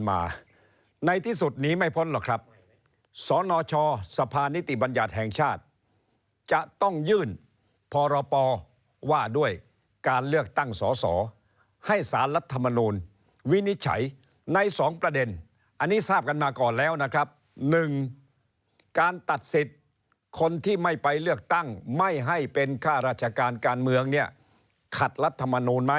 สวัสดีครับท่านผู้ชมพิวเตอร์สวัสดีครับท่านผู้ชมพิวเตอร์